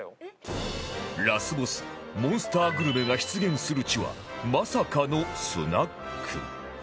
ラスボスモンスターグルメが出現する地はまさかのスナック